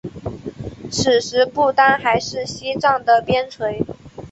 此时不丹还是西藏的边陲。